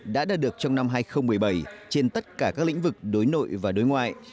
đã đạt được trong năm hai nghìn một mươi bảy trên tất cả các lĩnh vực đối nội và đối ngoại